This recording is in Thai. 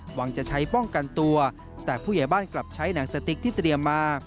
หวังจะใช้ป้องกันตัวแต่ผู้ใหญ่บ้านกลับใช้หนังสติ๊กที่เตรียมมา